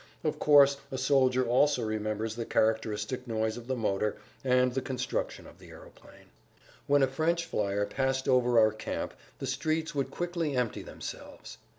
Of course, a soldier also remembers the characteristic noise of the motor and the construction of the aeroplane. When a French flier passed over our camp the streets would quickly empty themselves.